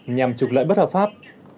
nhằm trục lợi bất hợp pháp